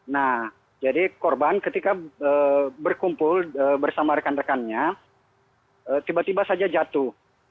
nah jadi korban ketika berkumpul bersama rekan rekannya tiba tiba saja jatuh